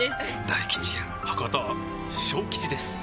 大吉や博多小吉ですあぁ！